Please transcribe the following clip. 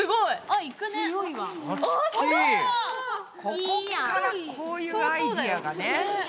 ここからこういうアイデアがね。